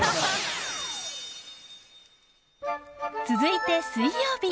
続いて水曜日。